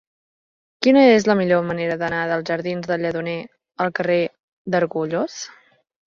Quina és la millor manera d'anar dels jardins del Lledoner al carrer d'Argullós?